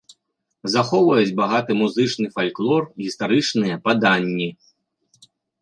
Захоўваюць багаты музычны фальклор, гістарычныя паданні.